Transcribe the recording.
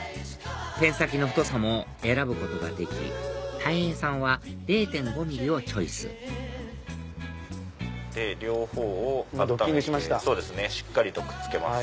ペン先の太さも選ぶことができたい平さんは０．５ｍｍをチョイス両方を温めてしっかりとくっつけます。